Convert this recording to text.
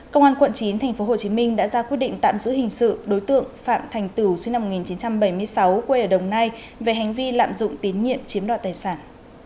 công an quận chín tp hcm đã ra quyết định tạm giữ hình sự đối tượng phạm thành tử sinh năm một nghìn chín trăm bảy mươi sáu quê ở đồng nai về hành vi lạm dụng tín nhiệm chiếm đoạt tài sản